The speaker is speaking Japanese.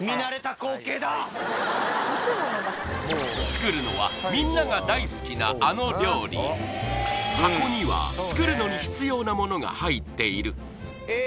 作るのはみんなが大好きなあの料理箱には作るのに必要なものが入っているえ